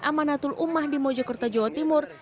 amanatul umah di mojokerto jawa timur